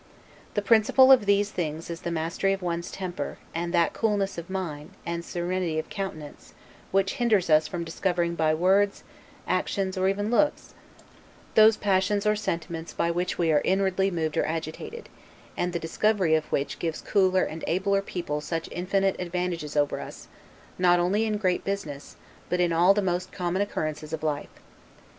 The principal of these things is the mastery of one's temper, and that coolness of mind, and serenity of countenance, which hinders us from discovering by words, actions, or even looks, those passions or sentiments by which we are inwardly moved or agitated; and the discovery of which gives cooler and abler people such infinite advantages over us, not only in great business, but in all the most common occurrences of life.